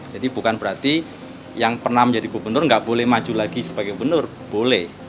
jadi bukan berarti yang pernah menjadi gubernur nggak boleh maju lagi sebagai gubernur boleh